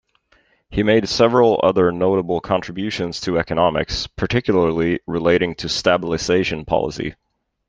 He made several other notable contributions to economics, particularly relating to stabilization policy.